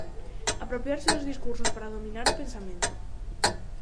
Apropiarse dos discursos para dominar o pensamento.